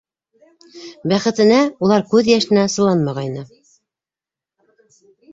Бәхетенә, улар күҙ йәшенә сыланмағайны.